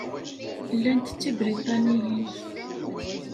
Llant d Tibriṭaniyin.